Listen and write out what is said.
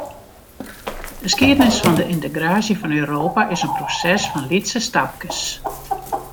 De skiednis fan de yntegraasje fan Europa is in proses fan lytse stapkes.